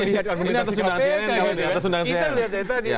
kita lihat lihat tadi